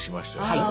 はい。